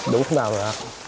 đúng không nào rồi ạ